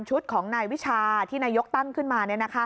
ชุดของนายวิชาที่นายกตั้งขึ้นมา